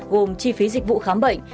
gồm chi phí dịch vụ khám bệnh